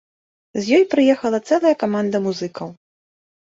З ёй прыехала цэлая каманда музыкаў.